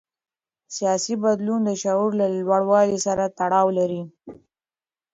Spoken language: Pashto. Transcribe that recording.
سیاسي بدلون د شعور له لوړوالي سره تړاو لري